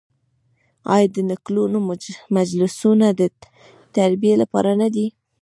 آیا د نکلونو مجلسونه د تربیې لپاره نه دي؟